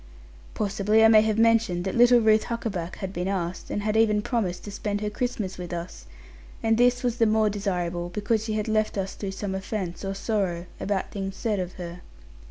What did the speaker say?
Possibly I may have mentioned that little Ruth Huckaback had been asked, and had even promised to spend her Christmas with us; and this was the more desirable, because she had left us through some offence, or sorrow, about things said of her.